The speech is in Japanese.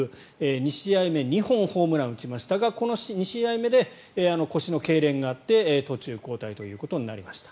２試合目２本ホームランを打ちましたがこの２試合目で腰のけいれんがあって途中交代となりました。